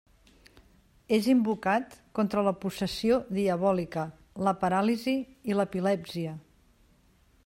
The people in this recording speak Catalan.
És invocat contra la possessió diabòlica, la paràlisi i l'epilèpsia.